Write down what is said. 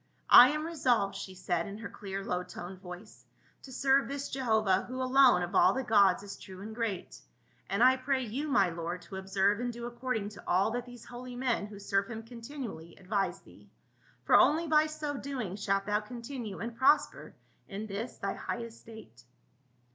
" I am resolved," she said in her clear low toned voice, "to serve this Jehovah, who alone of all the gods is true and great. And I pray you, my lord, to observe and do according to all that these holy men, who serve him continually, advise thee ; for only by so doing shalt thou continue and prosper in this thy high estate."